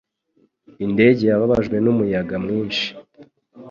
Indege yababajwe n'umuyaga mwinshi.